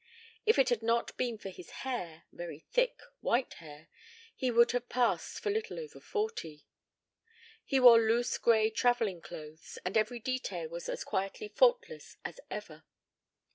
If it had not been for his hair, very thick white hair, he would have passed for little over forty. He wore loose gray travelling clothes, and every detail was as quietly faultless as ever.